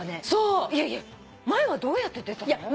いやいや前はどうやって出たの？